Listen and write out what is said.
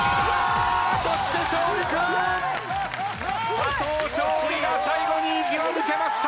佐藤勝利が最後に意地を見せました！